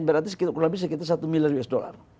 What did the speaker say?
berarti sekitar satu miliar usd